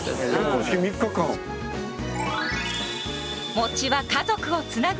もちは家族をつなぐ味。